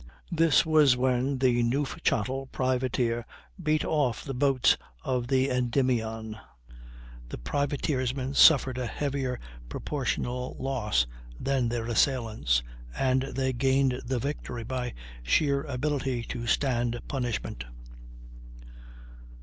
This was when the Neufchatel privateer beat off the boats of the Endymion. The privateersmen suffered a heavier proportional loss than their assailants, and they gained the victory by sheer ability to stand punishment.